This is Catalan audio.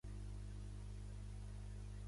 Flueix a través de la població de Malanje a Angola.